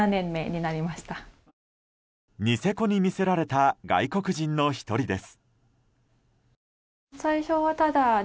ニセコに魅せられた外国人の１人です。